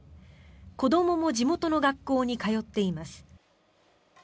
子どもも地元の学校に通っています。